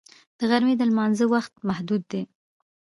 د غرمې د لمانځه وخت محدود دی